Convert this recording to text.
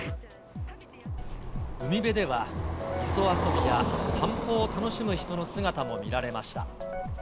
海辺では、磯遊びや散歩を楽しむ人の姿も見られました。